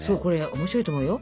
面白いと思うよ。